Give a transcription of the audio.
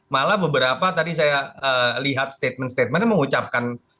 malah beberapa tadi saya lihat statement statementnya mengucapkan